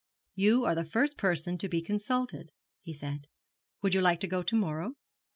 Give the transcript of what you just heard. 'You are the first person to be consulted,' he said; 'would you like to go to morrow?'